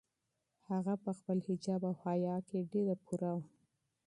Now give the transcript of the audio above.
هغه په خپل حجاب او حیا کې ډېره پوره وه.